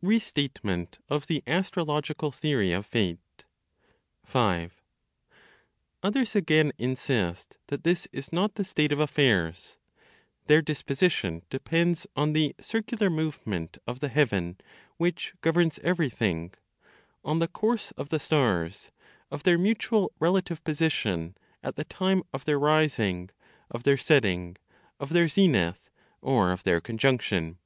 RESTATEMENT OF THE ASTROLOGICAL THEORY OF FATE. 5. Others, again, insist that this is not the state of affairs. Their disposition depends on the circular movement of the heaven which governs everything, on the course of the stars, of their mutual relative position at the time of their rising, of their setting, of their zenith, or of their conjunction.